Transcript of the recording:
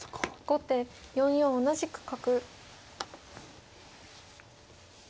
後手４四同じく角。